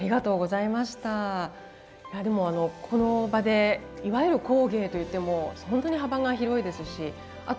いやでもこの場でいわゆる工芸といってもほんとに幅が広いですしあと